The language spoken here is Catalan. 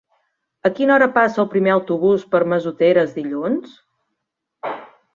A quina hora passa el primer autobús per Massoteres dilluns?